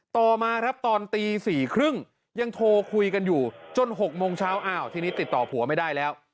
ต่อมาครับตอนตี๔๓๐ยังโทรคุยกันอยู่จน๖โมงเช้าอ้าวทีนี้ติดต่อผัวไม่ได้แล้ว